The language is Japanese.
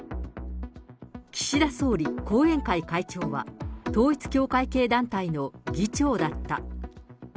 岸田総理、後援会会長は、統一教会系団体の議長だった。